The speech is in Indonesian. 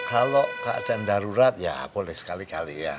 kalau keadaan darurat ya boleh sekali kali ya